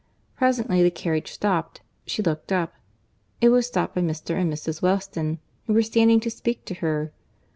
Presently the carriage stopt; she looked up; it was stopt by Mr. and Mrs. Weston, who were standing to speak to her.